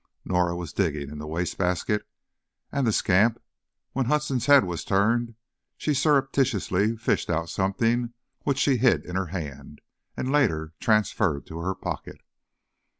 Norah was digging in the waste basket, and, the scamp! when Hudson's head was turned, she surreptitiously fished out something which she hid in her hand, and later transferred to her pocket.